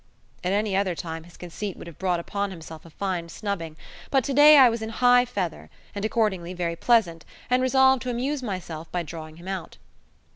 At any other time his conceit would have brought upon himself a fine snubbing, but today I was in high feather, and accordingly very pleasant, and resolved to amuse myself by drawing him out.